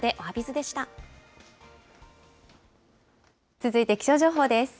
続いて気象情報です。